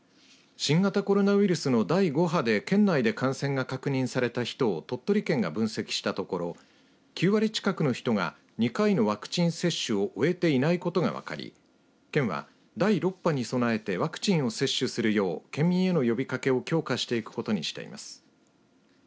新型コロナウイルスの第５波で県内で感染が確認された人を鳥取県が分析したところ９割近くの人が２回のワクチン接種を終えていないことが分かり県は第６波に備えてワクチンを接種するよう県民への呼びかけを強化していくことにしています。